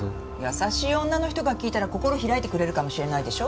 優しい女の人が聞いたら心開いてくれるかもしれないでしょ。